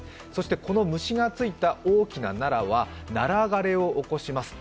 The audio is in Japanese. この虫がついた大きなナラはナラ枯れを起こします。